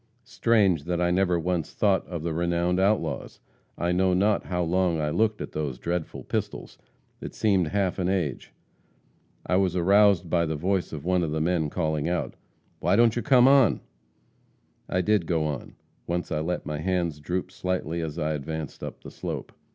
Strange that I never once thought of the renowned outlaws! I know not how long I looked at those dreadful pistols; it seemed half an age. I was aroused by the voice of one of the men calling out, "'Why don't you come on?' "I did go on. Once I let my hands droop slightly, as I advanced up the slope.